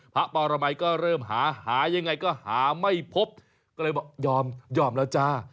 พระปรมัยก็เริ่มหาหายังไงก็หาไม่พบก็เลยบอกยอมยอมแล้วจ้า